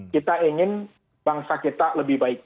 kita ingin bangsa kita lebih baik